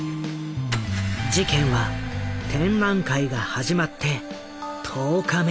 事件は展覧会が始まって１０日目に起きた。